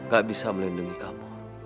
gak bisa melindungi kamu